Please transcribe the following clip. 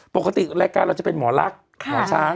ปกติรายการเราจะเป็นหมอลักษณ์หมอช้าง